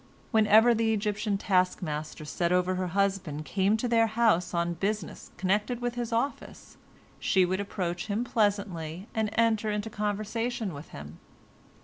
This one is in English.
Whenever the Egyptian taskmaster set over her husband came to their house on business connected with his office, she would approach him pleasantly and enter into conversation with him.